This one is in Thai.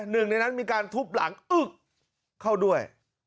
หนึ่งในนั้นมีการทุบหลังอึ๊กเข้าด้วย